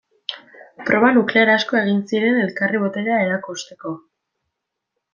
Proba nuklear asko egin ziren elkarri boterea erakusteko.